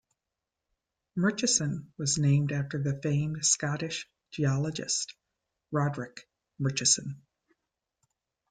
Murchison was named after the famed Scottish geologist Roderick Murchison.